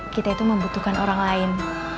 kita itu membutuhkan orang lain